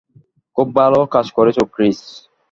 খুব ভালো কাজ করেছো, ক্রিস।